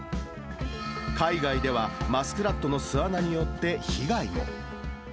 海外では、マスクラットの巣穴によって被害も。